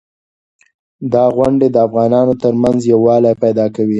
دا غونډې د افغانانو ترمنځ یووالی پیدا کوي.